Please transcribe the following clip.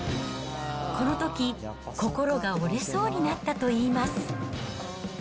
このとき、心が折れそうになったといいます。